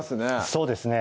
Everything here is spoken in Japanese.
そうですね